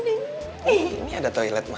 ini ada toilet ma